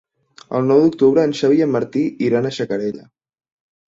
El nou d'octubre en Xavi i en Martí iran a Xacarella.